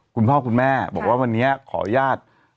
คุณพ่อคุณแม่บอกว่าวันนี้ขออนุญาต